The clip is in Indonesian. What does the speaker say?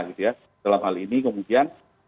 nah dalam hal ini kemudian